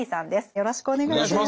よろしくお願いします。